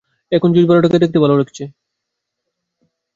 এখন, জুস বারটাকে দেখতে ভালো লাগছে।